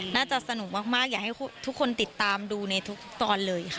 น่าจะสนุกมากอยากให้ทุกคนติดตามดูในทุกตอนเลยค่ะ